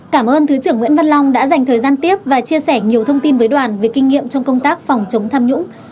cảm ơn thứ trưởng nguyễn văn long đã dành thời gian tiếp và chia sẻ nhiều thông tin với đoàn về kinh nghiệm trong công tác phòng chống tham nhũng